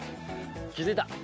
気づいた。